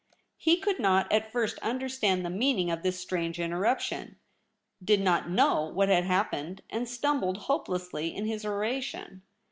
He could not at first understand the meaning of this strange Interruption ; did not know what had happened, and stumbled hopelessly in his oration.